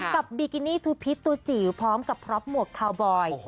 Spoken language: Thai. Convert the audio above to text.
บิกินี่คือพิษตัวจิ๋วพร้อมกับพร็อปหมวกคาวบอย